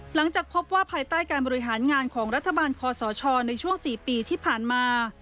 หลังจากพบว่าภายใต้การบริหารงานของรัฐบาลคอสชในช่วง๔ปีที่ผ่านมา